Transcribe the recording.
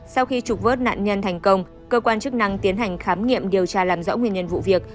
sau khi trục vớt nạn nhân thành công cơ quan chức năng tiến hành khám nghiệm điều tra làm rõ nguyên nhân vụ việc